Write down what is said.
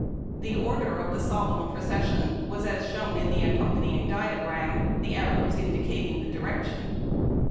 The order of the solemn proces sion was as shown in the accom])an3'ing diagram, the arrows indicating its direction.